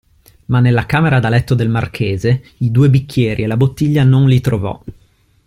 Ma nella camera da letto del marchese i due bicchieri e la bottiglia non li trovò.